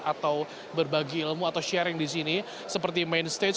atau berbagi ilmu atau sharing di sini seperti main stage